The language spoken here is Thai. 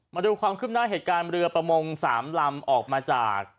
มาดูความความครึ่มหน้าเหตุการณ์เรือประมงสามลำออกมาจาก